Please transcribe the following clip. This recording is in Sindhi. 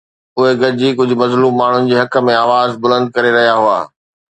اهي گڏجي ڪجهه مظلوم ماڻهن جي حق ۾ آواز بلند ڪري رهيا هئا.